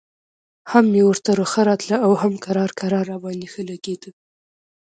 هم مې ورته رخه راتله او هم کرار کرار راباندې ښه لګېده.